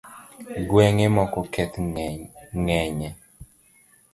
Ngwenge moko koth ng’enye